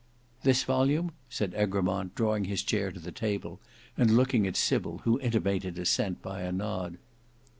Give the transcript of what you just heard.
"This volume?" said Egremont drawing his chair to the table and looking at Sybil, who intimated assent by a nod.